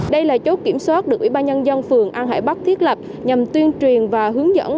đây là chốt kiểm soát được ủy ban nhân dân phường an hải bắc thiết lập nhằm tuyên truyền và hướng dẫn